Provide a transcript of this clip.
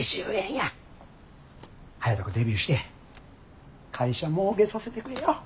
早いとこデビューして会社もうけさせてくれや。